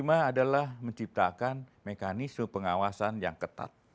yang pertama adalah menciptakan mekanisme pengawasan yang ketat